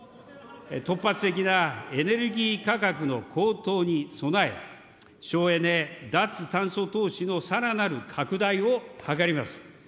突発的なエネルギー価格の高騰に備え、省エネ・脱炭素投資のさらなる拡大を図ります。